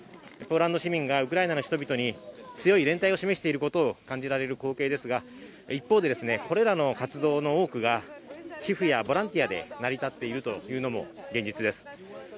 ポーランド市民がウクライナの人々に強い連帯を示していることを感じられる光景ですが一方でこれらの活動の多くが寄付やボランティアで成り立っているというのも現実です。